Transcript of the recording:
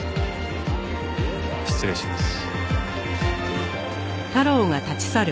失礼します。